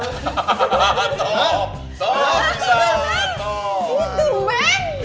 gitu dong ben